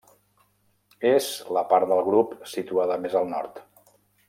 És la part del grup situada més al nord.